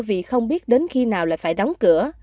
vì không biết đến khi nào lại phải đóng cửa